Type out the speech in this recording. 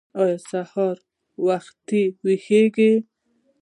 ایا سهار وختي ویښیږئ؟